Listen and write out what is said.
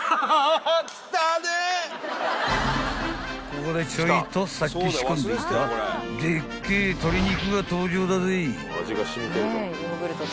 ［ここでちょいとさっき仕込んでいたでっけえ鶏肉が登場だぜ］